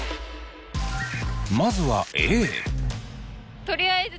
まずはＡ。